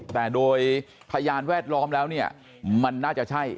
แต่โดยพยานแวดล้อมแล้วเนี่ยมันน่าจะใช่